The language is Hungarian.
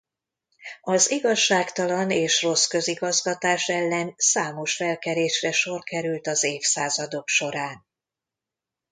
Az igazságtalan és rossz közigazgatás ellen számos felkelésre sor került az évszázadok során.